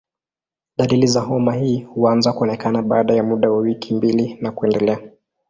Dalili za homa hii huanza kuonekana baada ya muda wa wiki mbili na kuendelea.